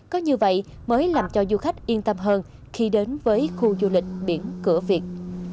có như vậy mới làm cho du khách yên tâm hơn khi đến với khu du lịch biển cửa việt